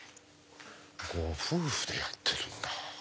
ご夫婦でやってるんだ。